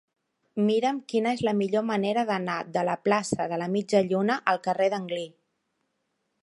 Mira'm quina és la millor manera d'anar de la plaça de la Mitja Lluna al carrer d'Anglí.